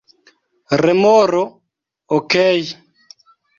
Remoro: "Okej."